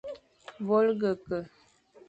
Vôlge ke, va vite.